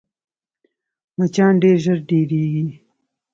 مچان ډېر ژر ډېرېږي